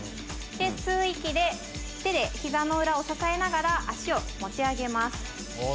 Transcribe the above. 吸う息で手で膝の裏を支えながら足を持ち上げます。